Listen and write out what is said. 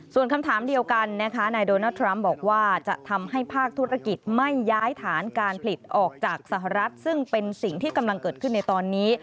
ส่วนคำถามเดียวกันนะคะนายโดนัลดทรัมป์บอกว่าจะทำให้ภาคธุรกิจไม่ย้ายฐานการผลิตออกจากสหรัฐซึ่งเป็นสิ่งที่กำลังเกิดขึ้นในตอนนี้